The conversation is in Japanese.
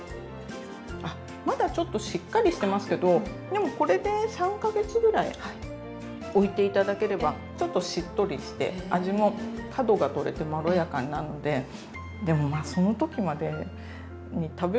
あっまだちょっとしっかりしてますけどでもこれで３か月ぐらいおいて頂ければちょっとしっとりして味も角が取れてまろやかになるのででもまあそのときまでに食べ終わっちゃうかもしれない。